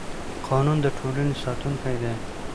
قانون د ټولنې ساتونکی دی